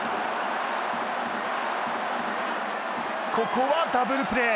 ここはダブルプレー。